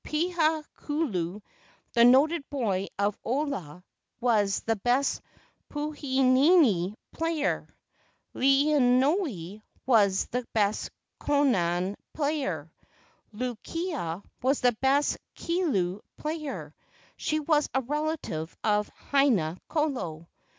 Pilau hulu, the noted boy of Olaa, was the best puhenehene player. Lilinoe was the best konane player. Luu kia was the best kilu player. She was a relative of Haina kolo.